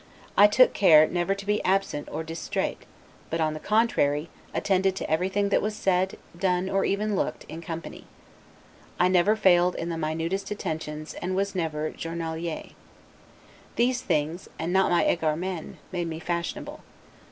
I took care never to be absent or 'distrait'; but on the contrary, attended to everything that was said, done, or even looked, in company; I never failed in the minutest attentions and was never 'journalier'. These things, and not my 'egaremens', made me fashionable.